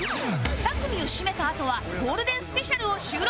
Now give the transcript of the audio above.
２組をシメたあとはゴールデンスペシャルを収録